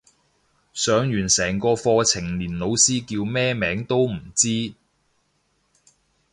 上完成個課程連老師叫咩名都唔知